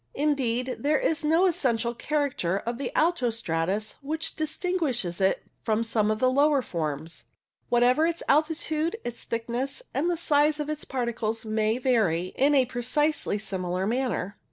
Indeed, there is no essential character of alto stratus which distinguishes it from some of the lower forms. Whatever its altitude, its thickness and the size of its particles may vary in a precisely similar manner.